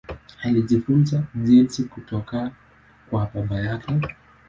Alijifunza ujenzi kutoka kwa baba yake.